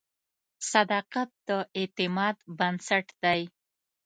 صداقت د اعتماد بنسټ دی.